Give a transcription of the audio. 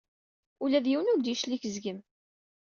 Ula d yiwen ur d-yeclig seg-m.